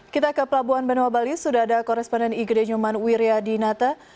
kita ke pelabuhan benoa bali sudah ada koresponden igede nyuman wiryadinata